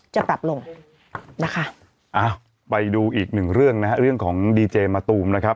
จะปรับลงนะคะอ้าวไปดูอีกหนึ่งเรื่องนะฮะเรื่องของดีเจมะตูมนะครับ